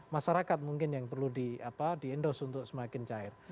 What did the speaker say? masyarakat mungkin yang perlu diendos untuk semakin cair